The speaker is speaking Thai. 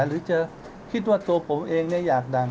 หรือจะคิดว่าตัวผมเองอยากดัง